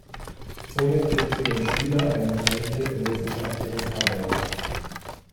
Somit gibt sie dem Schüler einen Einblick in wissenschaftliches Arbeiten.